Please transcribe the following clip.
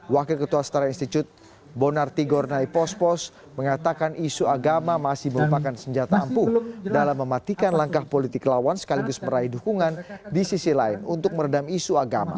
wakil ketua setara institut bonarti gornay pospos mengatakan isu agama masih merupakan senjata ampuh dalam mematikan langkah politik lawan sekaligus meraih dukungan di sisi lain untuk meredam isu agama